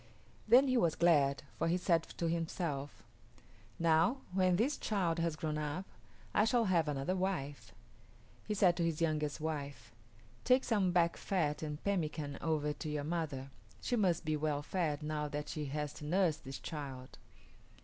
Then he was glad, for he said to himself, "Now, when this child has grown up, I shall have another wife." He said to his youngest wife, "Take some back fat and pemmican over to your mother; she must be well fed now that she has to nurse this child."